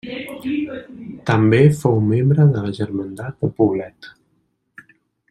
També fou membre de la germandat de Poblet.